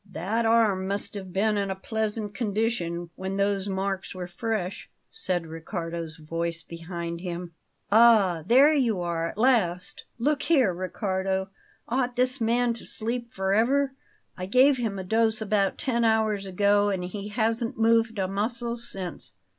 "That arm must have been in a pleasant condition when those marks were fresh," said Riccardo's voice behind him. "Ah, there you are at last! Look here, Riccardo; ought this man to sleep forever? I gave him a dose about ten hours ago, and he hasn't moved a muscle since."